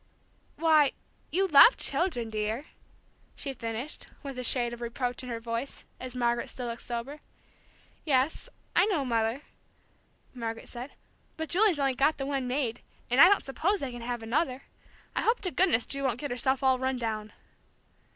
Why, you love children, dear," she finished, with a shade of reproach in her voice, as Margaret still looked sober. "Yes, I know, Mother," Margaret said. "But Julie's only got the one maid, and I don't suppose they can have another. I hope to goodness Ju won't get herself all run down!"